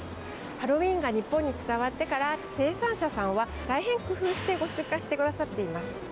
ハロウィーンが日本に伝わってから生産者さんは大変工夫してご出荷してくださっています。